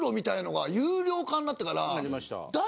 になってから。